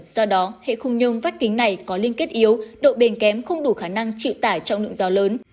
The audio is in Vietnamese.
do đó hệ khung nhôm vách kính này có liên kết yếu độ bền kém không đủ khả năng chịu tải trọng lượng gió lớn